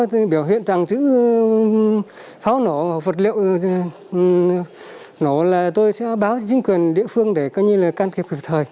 điều đó là tôi sẽ báo chính quyền địa phương để coi như là can kịp thời